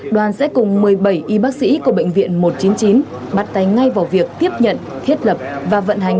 đoàn sẽ cùng một mươi bảy y bác sĩ của bệnh viện một trăm chín mươi chín bắt tay ngay vào việc tiếp nhận thiết lập và vận hành